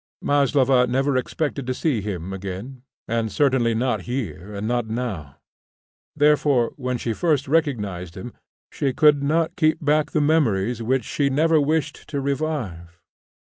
Maslova never expected to see him again, and certainly not here and not now; therefore, when she first recognised him, she could not keep back the memories which she never wished to revive.